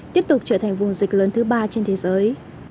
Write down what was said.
tiếp tục trở thành vùng dịch lớn thứ ba trên thế giới